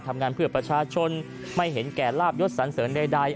ทำงานเพื่อประชาชนไม่เห็นแก่ลาบยศสันเสริญใด